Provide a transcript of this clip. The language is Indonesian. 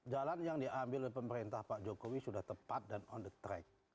jalan yang diambil oleh pemerintah pak jokowi sudah tepat dan on the track